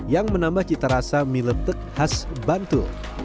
yang menambah cita rasa mie letek khas bantu